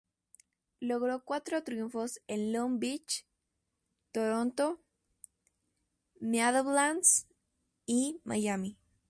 Logró cuatro triunfos en Long Beach, Toronto, Meadowlands y Miami.